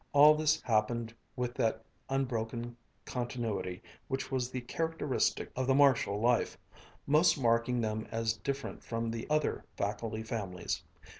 All this happened with that unbroken continuity which was the characteristic of the Marshall life, most marking them as different from the other faculty families.